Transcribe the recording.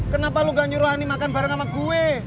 kenapa lu gak nyuruh ani makan bareng sama gue